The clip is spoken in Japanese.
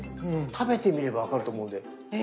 食べてみれば分かると思うんで。